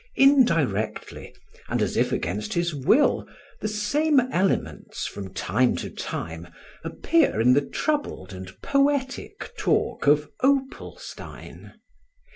Indirectly and as if against his will the same elements from time to time appear in the troubled and poetic talk of Opalstein.